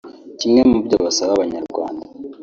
Kimwe mu byo basaba abanyarwanda